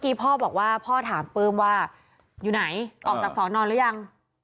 พ่อบอกว่าพ่อถามปื้มว่าอยู่ไหนออกจากสอนอนหรือยัง